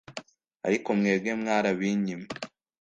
Ariko mwebwe mwarabinyimye